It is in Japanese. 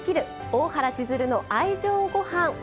大原千鶴の愛情ごはん」。